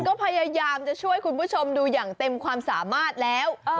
ก็พยายามจะช่วยคุณผู้ชมดูอย่างเต็มความสามารถแล้ว